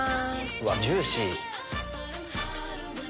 うわっジューシー！